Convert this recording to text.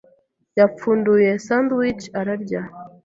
yapfunduye sandwich ararya.